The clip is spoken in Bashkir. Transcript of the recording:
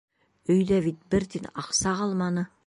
Өйҙә бит бер тин аҡса ҡалманы!